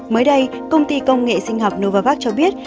mới đây công ty công nghệ sinh học novavax cho biết